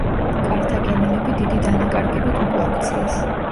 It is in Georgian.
კართაგენელები დიდი დანაკარგებით უკუაქციეს.